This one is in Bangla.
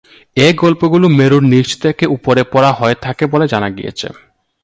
এই গল্পগুলি মেরুর নীচ থেকে উপরে পড়া হয়ে থাকে বলে জানা গিয়েছে।